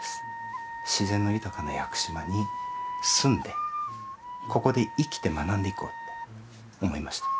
自然の豊かな屋久島に住んでここで生きて学んでいこうって思いました。